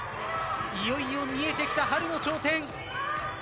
いよいよ見えてきた春の頂点。